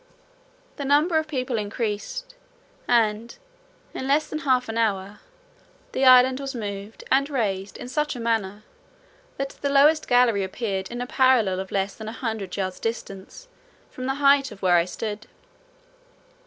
The number of people increased, and, in less than half an hour, the island was moved and raised in such a manner, that the lowest gallery appeared in a parallel of less than a hundred yards distance from the height where I stood.